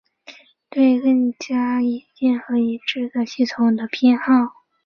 对更加普遍和一致的系统的偏好只会随着科学的发展而逐渐扩散。